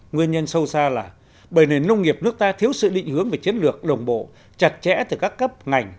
nguyên nhân sâu xa là bởi nền nông nghiệp nước ta thiếu sự định hướng về chiến lược đồng bộ chặt chẽ từ các cấp ngành